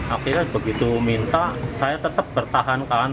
akhirnya begitu minta saya tetap bertahankan